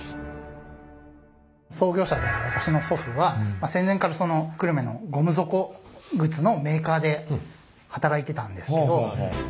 創業者である私の祖父は戦前からその久留米のゴム底靴のメーカーで働いてたんですけど。